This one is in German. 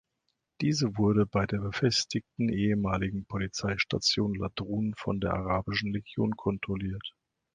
Diese wurde bei der befestigten ehemaligen Polizeistation Latrun von der Arabischen Legion kontrolliert.